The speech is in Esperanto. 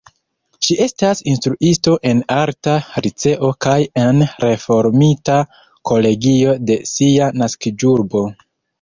Ŝi estas instruisto en Arta Liceo kaj en Reformita Kolegio de sia naskiĝurbo.